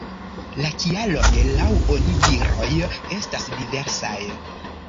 La kialoj laŭ onidiroj estas diversaj.